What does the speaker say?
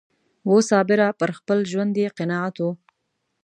وو صابره پر خپل ژوند یې قناعت و